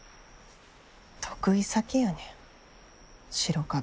得意先やねん白壁。